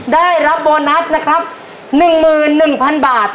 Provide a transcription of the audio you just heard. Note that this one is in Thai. ได้รับโบนัสนะครับหนึ่งหมื่นหนึ่งพันบาท